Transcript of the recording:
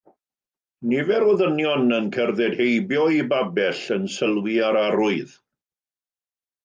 Nifer o ddynion yn cerdded heibio i babell yn sylwi ar arwydd.